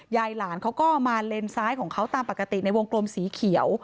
ยายหลานเขาก็มาเลนซ้ายของเขาตามปกติในวงกลมสีเขียว